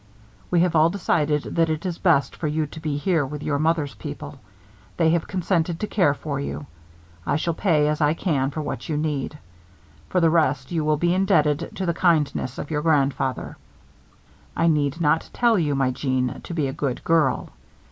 We have all decided that it is best for you to be here with your mother's people. They have consented to care for you. I shall pay, as I can, for what you need. For the rest, you will be indebted to the kindness of your grandfather. I need not tell you, my Jeanne, to be a good girl.